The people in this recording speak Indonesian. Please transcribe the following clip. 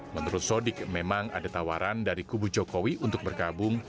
menurut sodik memang ada tawaran dari kubu jokowi untuk bergabung